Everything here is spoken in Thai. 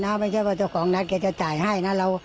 ไม่ใช่ว่าเจ้าของนัดแกจะจ่ายให้นะ